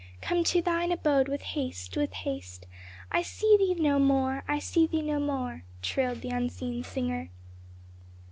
Come to thine abode with haste, with haste I see thee no more. I see thee no more " trilled the unseen singer.